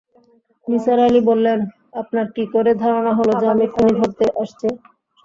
নিসার আলি বললেন, আপনার কী করে ধারণা হল যে আমি খুনী ধরতে এসেছি?